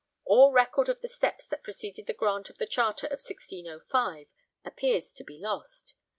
All record of the steps that preceded the grant of the Charter of 1605 appears to be lost.